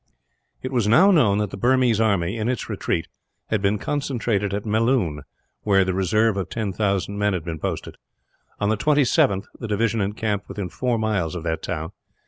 It was now known that the Burmese army, in its retreat, had been concentrated at Melloon, where the reserve of 10,000 men had been posted. On the 27th, the division encamped within four miles of that town.